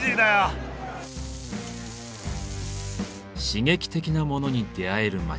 刺激的なモノに出会える街